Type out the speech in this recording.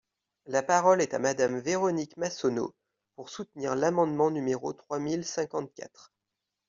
La parole est à Madame Véronique Massonneau, pour soutenir l’amendement numéro trois mille cinquante-quatre.